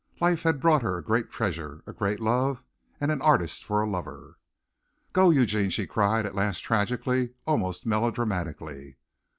Life had brought her a great treasure a great love and an artist for a lover. "Go, Eugene!" she cried at last tragically, almost melodramatically.